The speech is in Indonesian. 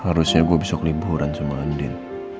harusnya gue besok liburan sama andin